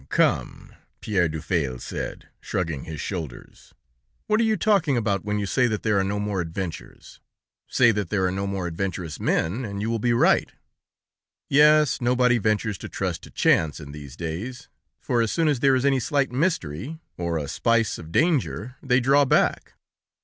Come!" Pierre Dufaille said, shrugging his shoulders. "What are you talking about, when you say that there are no more adventures? Say that there are no more adventurous men, and you will be right! Yes, nobody ventures to trust to chance, in these days, for as soon as there is any slight mystery, or a spice of danger, they draw back.